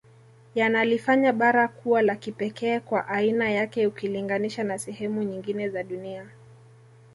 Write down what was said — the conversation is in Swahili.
Yanalifanya bara kuwa la kipekee kwa aiana yake ukilinganisha na sehemu nyingine za dunia